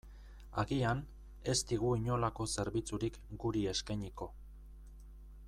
Agian, ez digu inolako zerbitzurik guri eskainiko.